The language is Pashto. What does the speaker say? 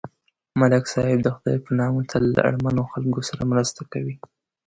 ملک صاحب د خدای په نامه تل له اړمنو خلکو سره مرسته کوي.